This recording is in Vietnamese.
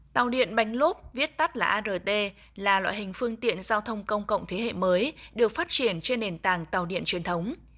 tàu điện bánh lốp viết tắt là art là loại hình phương tiện giao thông công cộng thế hệ mới được phát triển trên nền tảng tàu điện truyền thống